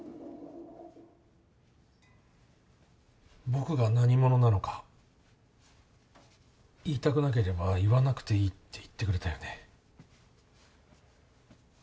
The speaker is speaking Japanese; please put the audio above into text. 僕が何者なのか言いたくなければ言わなくていいって言ってくれたよね。